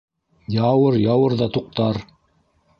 Яуыр, яуыр ҙа туҡтар.